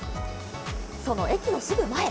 その駅のすぐ前。